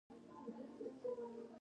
مورفولوژیکي تحلیل بله طریقه ده.